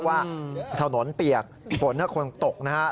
ว่าถนนเปียกฝนและคนตกนะครับ